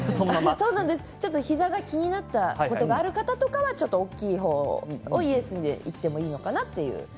膝が気になったことがある方とかは大きい方とイエスの方へいってもいいのかなと。